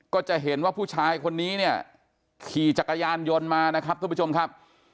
ก็จะเห็นว่าผู้ชายคนนี้เนี่ยขี่จักรยานยนต์มานะครับทุกผู้ชมครับ